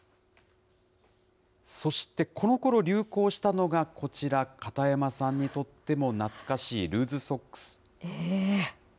そしてこのころ流行したのがこちら、片山さんにとっても懐かしいルーズソックス。